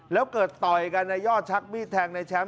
แล้วเกิดต่อยกันในยอดชักมีดแทงในแชมป์